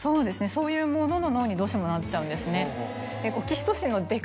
そういうモードの脳にどうしてもなっちゃうんですね。